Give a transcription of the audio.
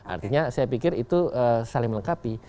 artinya saya pikir itu saling melengkapi